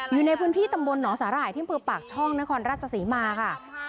อยู่ในพื้นที่ตำบลหนองสาหร่ายที่อำเภอปากช่องนครราชศรีมาค่ะ